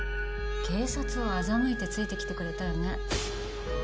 警察を欺いてついてきてくれたよね